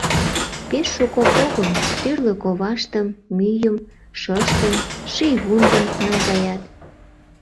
Пеш шуко погым: тӱрлӧ коваштым, мӱйым, шыштым, шийвундым наҥгаят.